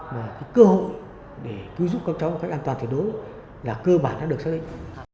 một cái cơ hội để cứu giúp các cháu một cách an toàn thay đổi là cơ bản đã được xác định